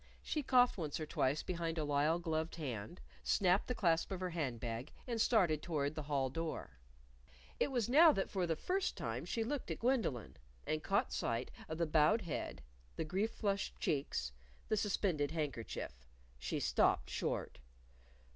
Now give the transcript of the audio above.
She coughed once or twice behind a lisle gloved hand, snapped the clasp of her hand bag and started toward the hall door. It was now that for the first time she looked at Gwendolyn and caught sight of the bowed head, the grief flushed cheeks, the suspended handkerchief. She stopped short.